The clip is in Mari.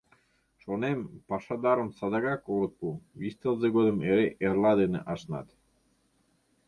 Шонем, пашадарым садыгак огыт пу, вич тылзе годым эре «эрла» дене ашнат.